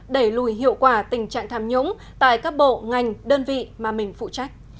đẩy lùi hiệu quả tình trạng tham nhũng tại các bộ ngành đơn vị mà mình phụ trách